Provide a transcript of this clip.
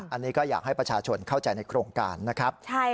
อันนี้ก็อยากให้ประชาชนเข้าใจในโครงการนะครับ